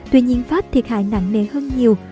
tuy nhiên pháp thiệt hại nặng nề hơn nhiều